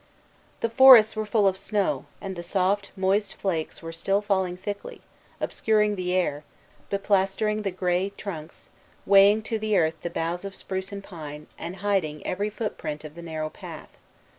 The forests were full of snow; and the soft, moist flakes were still falling thickly, obscuring the air, beplastering the gray trunks, weighing to the earth the boughs of spruce and pine, and hiding every footprint of the narrow path.